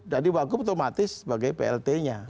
jadi wakil otomatis sebagai plt nya